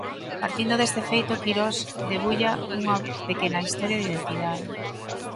Partindo deste feito, Quirós debulla unha pequena historia de identidade.